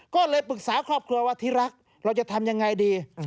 ก็เลยปรึกษาครอบครัวว่าที่รักเราจะทำยังไงดี